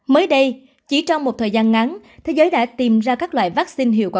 mới đây chỉ trong một thời gian ngắn thế giới đã tìm ra các loại vaccine hiệu quả